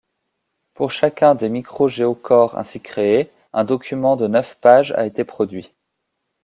Pour chacun des micro-géochores ainsi créés, un document de neuf pages a été produit.